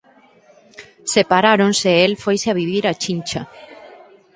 Separáronse e el foise a vivir a Chincha.